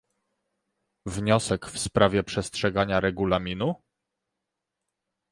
Wniosek w sprawie przestrzegania Regulaminu?